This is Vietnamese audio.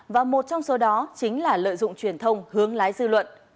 và một trong số đó chính là lợi dụng truyền thông hướng lái dư luận